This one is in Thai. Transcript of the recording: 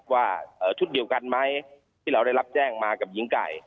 ว่าชุดเดียวกันไหมที่เราได้รับแจ้งมากับหญิงไก่